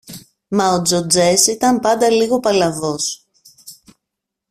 μα ο Τζοτζές ήταν πάντα λίγο παλαβός.